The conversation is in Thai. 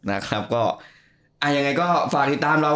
อะยังไงก็ฝากติดตามเรา